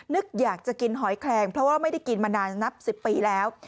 อยากจะกินหอยแคลงเพราะว่าไม่ได้กินมานานนับ๑๐ปีแล้ว